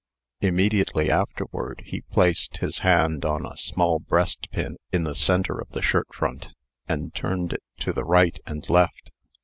Immediately afterward, he placed his hand on a small breastpin in the centre of the shirt front, and turned it to the right and left.